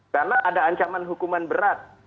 karena ada ancaman hukuman berat